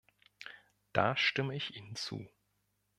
Da stimme ich Ihnen zu.